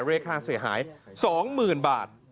เรศภาษาเสียหาย๒๐๐๐๐บาท